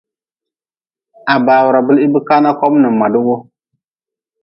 Ha bawra blihbka na kom nin madi wu.